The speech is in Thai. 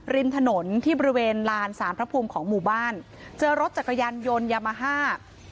ริมถนนที่บริเวณลานสารพระภูมิของหมู่บ้านเจอรถจักรยานยนต์ยามาฮ่า